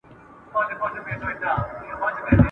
ته به څرنګه سینګار کړې جهاني د غزل توري ..